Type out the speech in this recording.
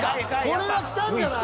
これはきたんじゃない？